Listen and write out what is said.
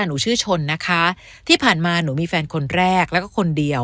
หนูชื่อชนนะคะที่ผ่านมาหนูมีแฟนคนแรกแล้วก็คนเดียว